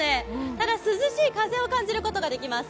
ただ、涼しい風を感じることができます。